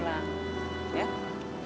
terima kasih ya om